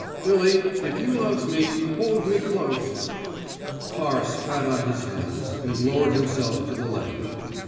Billy, if you loves me, hold me close." Parr spat on his hands, and lowered him self to the ledge.